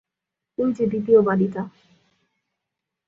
ওই যে দ্বিতীয় বাড়িটা।